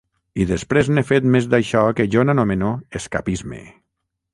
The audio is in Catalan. I després n’he fet més d’això que jo n’anomeno ‘escapisme’.